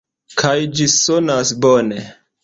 Kaj ĝi sonas bone.